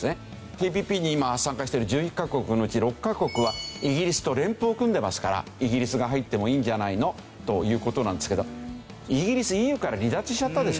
ＴＰＰに今参加している１１カ国のうち６カ国はイギリスと連邦を組んでますからイギリスが入ってもいいんじゃないの？という事なんですけどイギリスＥＵから離脱しちゃったでしょ？